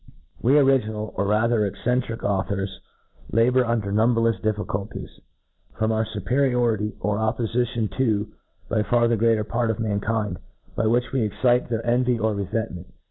We original, or rather eccentric, autho»6, la ^ bour undci' nuniberlefs difficulties, from our fu^^ periority ot oppofition to by far the gre; ater part of mankind, by wJiicH we excite their envy of refentment.